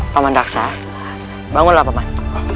paman daksa bangunlah paman